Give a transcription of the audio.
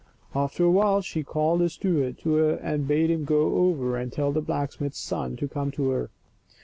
After a while she called her steward to her and bade him go over and tell the blacksmith*s son to come to her.